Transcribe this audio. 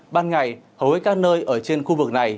ban ngày hầu hết các nơi ở trên khu vực này